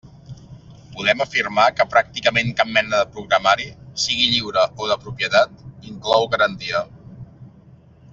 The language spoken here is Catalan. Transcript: Podem afirmar que pràcticament cap mena de programari, sigui lliure o de propietat, inclou garantia.